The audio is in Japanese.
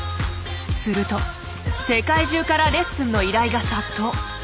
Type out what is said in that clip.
すると世界中からレッスンの依頼が殺到。